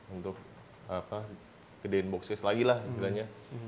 untuk gedein boxcase lagi lah istilahnya